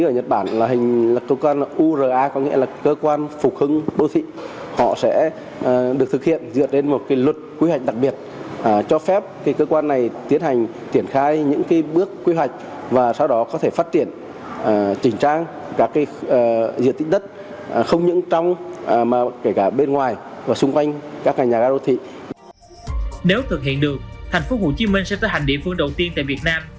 nếu thực hiện được thành phố hồ chí minh sẽ tới hành địa phương đầu tiên tại việt nam